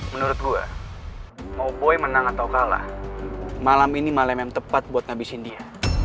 menurut gue mau boy menang atau kalah malam ini malam yang tepat buat ngabisin dia